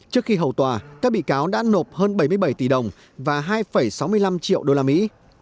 trước khi hầu tòa các bị cáo đã nộp hơn bảy mươi bảy tỷ đồng và hai sáu mươi năm triệu đô la mỹ